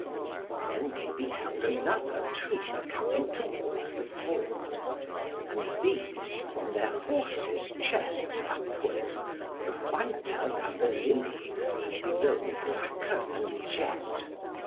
Then they beheld another troop coming towards the ford, and these from their horses' chests upwards were whiter than the lily, and below blacker than jet.